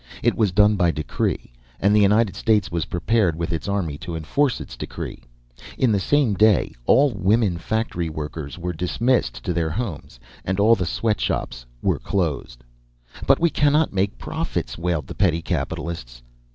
It was done by decree, and the United States was prepared with its army to enforce its decrees. In the same day all women factory workers were dismissed to their homes, and all the sweat shops were closed. "But we cannot make profits!" wailed the petty capitalists.